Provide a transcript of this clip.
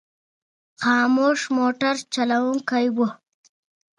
خاموش مو موټر چلوونکی و.